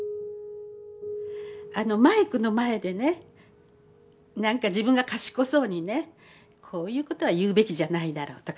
マイクの前でね何か自分が賢そうにねこういうことは言うべきじゃないだろうとかね